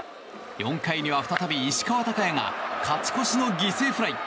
４回には再び石川昂弥が勝ち越しの犠牲フライ。